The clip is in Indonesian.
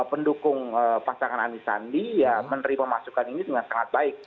mendukung pasangan andi sandi ya menerima masukan ini dengan sangat baik